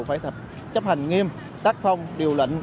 phải chấp hành nghiêm tác phong điều lệnh